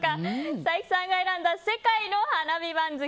冴木一馬さんが選んだ世界の花火番付。